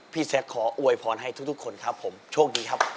พี่แซคขออวยพรให้ทุกคนครับผมโชคดีครับ